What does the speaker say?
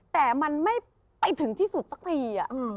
แต่มันไม่ไปถึงที่สุดสักที